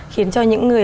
khiến cho những người